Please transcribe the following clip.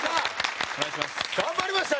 頑張りましたね！